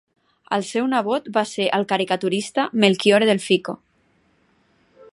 El seu nebot va ser el caricaturista Melchiorre Delfico.